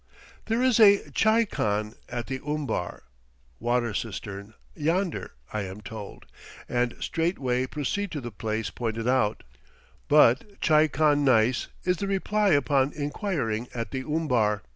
"There is a tchai khan at the umbar (water cistern), yonder," I am told, and straightway proceed to the place pointed out; but "tchai khan neis" is the reply upon inquiring at the umbar.